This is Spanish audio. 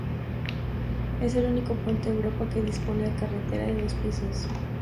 Es el único puente de Europa que dispone de carretera de dos pisos.